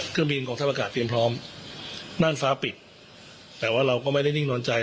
เครื่องบินของทัพอากาศเตรียมพร้อมน่านฟ้าปิดแต่ว่าเราก็ไม่ได้นิ่งนอนใจ